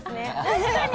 確かに！